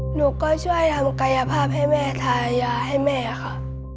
หนูก็ช่วยทำกายภาพให้แม่ทายาให้แม่ค่ะ